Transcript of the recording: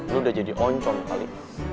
lu udah jadi oncom kali